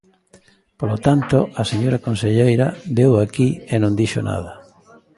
Polo tanto, a señora conselleira veu aquí e non dixo nada.